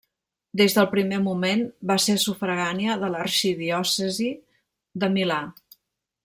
Des del primer moment va ser sufragània de l'arxidiòcesi de Milà.